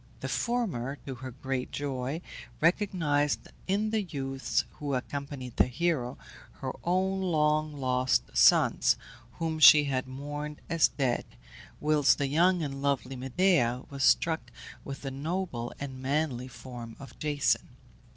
The former, to her great joy, recognized in the youths who accompanied the hero her own long lost sons, whom she had mourned as dead, whilst the young and lovely Medea was struck with the noble and manly form of Jason.